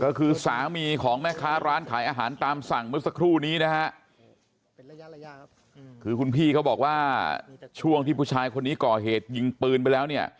ก็คือสามีของแม่ค้าร้านขายอาหารตามสั่งเมื่อสักครู่นี้นะฮะ